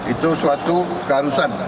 itu suatu keharusan